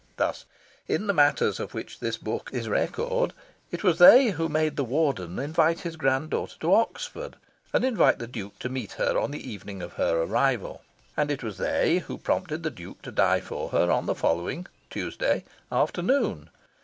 Thus, in the matters of which this book is record, it was they who made the Warden invite his grand daughter to Oxford, and invite the Duke to meet her on the evening of her arrival. And it was they who prompted the Duke to die for her on the following (Tuesday) afternoon.